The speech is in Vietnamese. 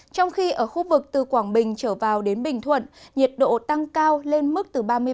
trong khi ở khu vực từ quảng bình trở vào đến bình thuận nhiệt độ tăng cao lên mức từ ba mươi ba